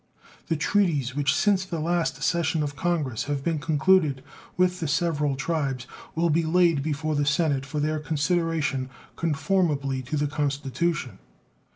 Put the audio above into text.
The treaties which since the last session of Congress have been concluded with the several tribes will be laid before the Senate for their consideration conformably to the Constitution.